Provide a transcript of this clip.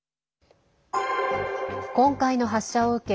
今回の発射を受け